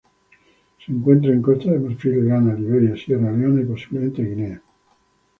Se encuentran en Costa de Marfil, Ghana, Liberia, Sierra Leona, y, posiblemente, Guinea.